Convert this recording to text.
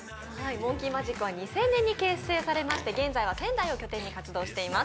ＭＯＮＫＥＹＭＡＪＩＫは２０００年に結成されまして現在は仙台を拠点に活動されています。